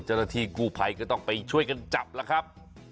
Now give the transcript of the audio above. เจ้าหน้าที่กู้ภัยก็ต้องไปช่วยกันจับแล้วครับ